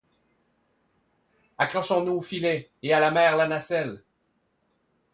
Accrochons-nous au filet! et à la mer la nacelle !